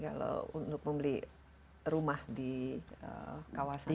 kalau untuk membeli rumah di kawasan ini